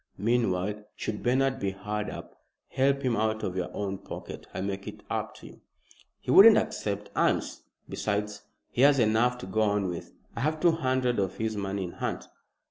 Meanwhile, should Bernard be hard up, help him out of your own pocket. I'll make it up to you." "He wouldn't accept alms. Besides, he has enough to go on with. I have two hundred of his money in hand."